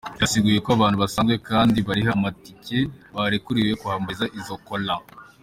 Ryasiguye ko abantu basanzwe kandi bariha amatike barekuriwe kwambara izo "collants".